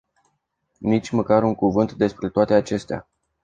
Nici măcar un cuvânt despre toate acestea.